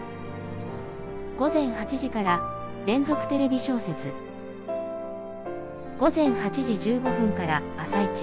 「午前８時から『連続テレビ小説』午前８時１５分から『あさイチ』」。